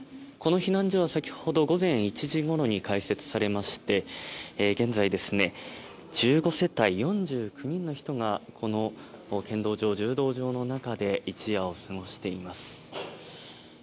この避難所は先ほど午前１時ごろに開設されまして現在、１５世帯４９人の人がこの剣道場、柔道場の中で一夜を過ごしています。